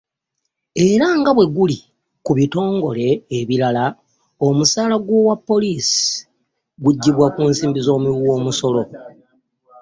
Era nga bweguli ku bitongole ebirala, omusaala gw’omupoliisi gugibwa ku nsimbi z’omuwi w’omusolo.